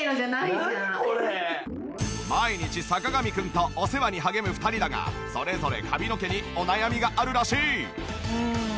毎日坂上くんとお世話に励む２人だがそれぞれ髪の毛にお悩みがあるらしい。